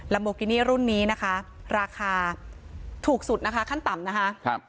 โบกินี่รุ่นนี้นะคะราคาถูกสุดนะคะขั้นต่ำนะคะ